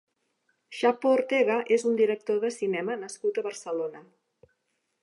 Xapo Ortega és un director de cinema nascut a Barcelona.